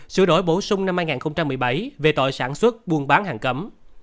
sửa đổi bổ sung năm hai nghìn một mươi bảy về tội sản xuất buôn bán hàng cấm